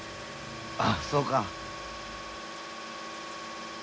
あそうか。